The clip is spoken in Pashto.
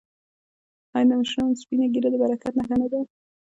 آیا د مشرانو سپینه ږیره د برکت نښه نه ده؟